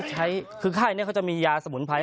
ใช้คือค่ายนี้เขาจะมียาสมุนไพร